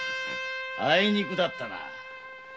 あいにくだったな。